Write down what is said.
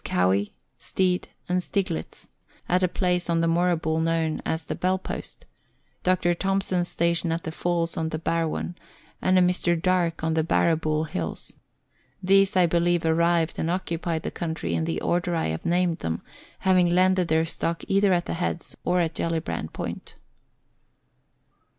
Cowie, Stead, and Steiglitz, at a place on the Moora bool known as the Bell post ; Dr. Thomson's station at the falls on the Barwon ; and a Mr. Darke on the Barrabool Hills. These I believe arrived and occupied the country in the order I have named them, having landed their stock either at the Heads or at Gellibrand Point.